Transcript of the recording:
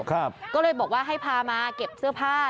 ก็เลยบอกว่าให้พามาเก็บเสื้อผ้า